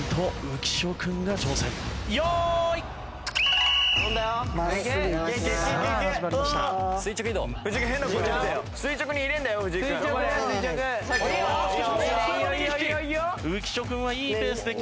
浮所君はいいペースで。